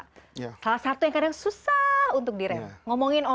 salah satu yang kadang susah untuk direm